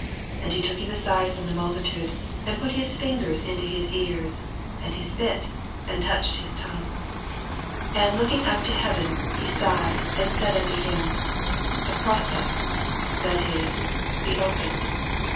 33 And he took him aside from the multitude, and put his fingers into his ears, and he spit, and touched his tongue ; 34 And looking up to heaven, be sighed, and said unto him, Ephpha tha, that is, Be_ opened.